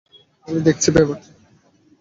আমি দেখছি ব্যাপারটা!